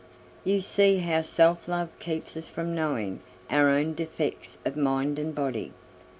You see how self love keeps us from knowing our own defects of mind and body.